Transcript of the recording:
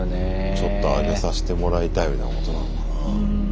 ちょっと上げさしてもらいたいみたいなことなのかな。